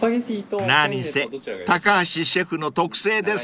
［何せ高橋シェフの特製ですからね］